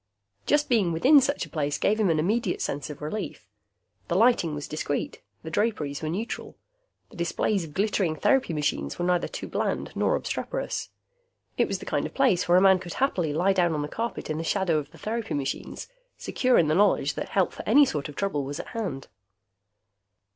Just being within such a place gave him an immediate sense of relief. The lighting was discreet, the draperies were neutral, the displays of glittering therapy machines were neither too bland nor obstreperous. It was the kind of place where a man could happily lie down on the carpet in the shadow of the therapy machines, secure in the knowledge that help for any sort of trouble was at hand.